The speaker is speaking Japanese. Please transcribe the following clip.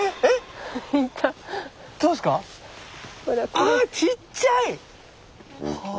あちっちゃい！は。